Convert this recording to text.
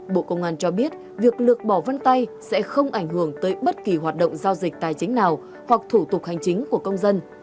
bộ công an cho biết việc lược bỏ vân tay sẽ không ảnh hưởng tới bất kỳ hoạt động giao dịch tài chính nào hoặc thủ tục hành chính của công dân